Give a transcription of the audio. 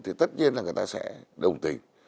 thì tất nhiên là người ta sẽ đồng tình